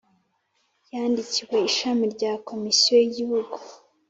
yandikiwe ishami rya Komisiyo y Igihugu